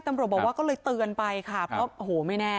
ตำรวจบอกว่าก็เลยเตือนไปค่ะเพราะโอ้โหไม่แน่